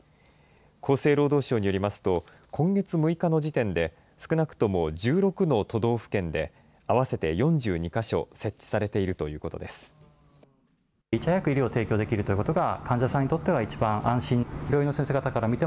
厚生労働省によりますと、今月６日の時点で、少なくとも１６の都道府県で、合わせて４２か所設置されているということです。